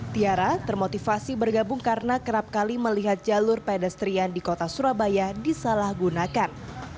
tiara termotivasi bergabung karena kerap kali melihat jalur pedestrian di kota surabaya disalahgunakan